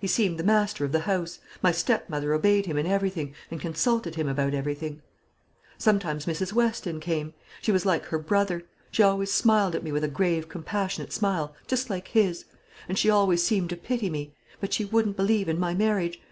He seemed the master of the house. My stepmother obeyed him in everything, and consulted him about everything. "Sometimes Mrs. Weston came. She was like her brother. She always smiled at me with a grave compassionate smile, just like his; and she always seemed to pity me. But she wouldn't believe in my marriage.